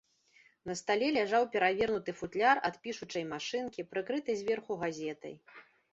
На стале ляжаў перавернуты футляр ад пішучай машынкі, прыкрыты зверху газетай.